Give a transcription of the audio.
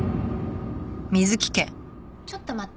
ちょっと待って。